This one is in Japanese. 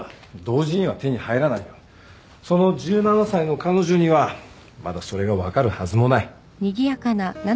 その１７歳の彼女にはまだそれが分かるはずもない。